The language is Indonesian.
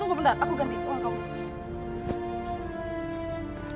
tunggu bentar aku ganti uang kamu